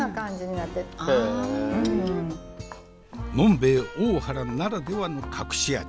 呑兵衛大原ならではの隠し味。